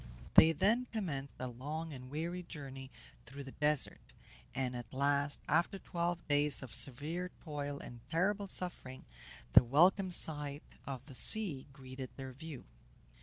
They then commenced a long and weary journey through the desert, and at last, after twelve days of severe toil and terrible suffering, the welcome sight of the sea greeted their view.